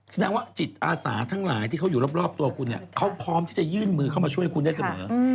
แสดงว่าจิตอาสาทั้งหลายที่เขาอยู่รอบตัวคุณเนี่ยเขาพร้อมที่จะยื่นมือเข้ามาช่วยคุณได้เสมอ